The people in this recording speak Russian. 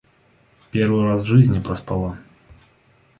Первый раз в жизни проспала.